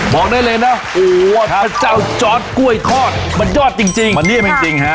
บอกได้เลยนะโอ้วพระเจ้าจอดกล้วยคอดมันยอดจริงจริงมันเงียบจริงจริงฮะ